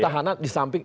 petahana di samping